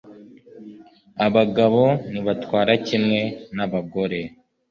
Abagabo ntibatwara kimwe nabagore